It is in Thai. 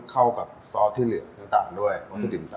เราดูว่าวัตถุดิบมนั้นเรามีอะไรบ้าง